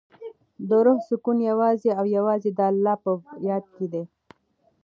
د روح سکون یوازې او یوازې د الله په یاد کې دی.